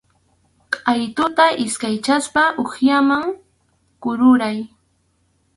Qʼaytuta iskaychaspa hukllaman kururay.